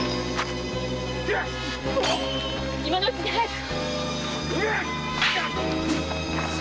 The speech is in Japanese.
今のうちに早く！